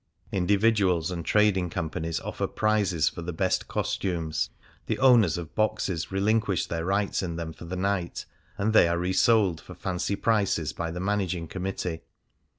Individuals and trading companies oifer prizes for the best costumes ; the owners of boxes relinquish their rights in them for the night, and they are re sold for fancy prices by the managing committee.